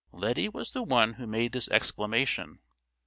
Lettie was the one who made this exclamation.